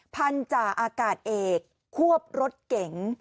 พันธาอากาศเอกควบรถเก๋ง